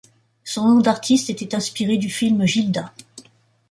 Son nom d'artiste était inspiré du film Gilda.